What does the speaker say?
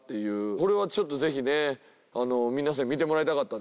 これはちょっとぜひね皆さんに見てもらいたかったんです。